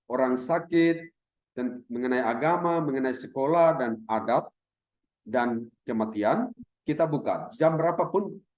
orang sakit dan mengenai agama mengenai sekolah dan adat dan kematian kita buka jam berapapun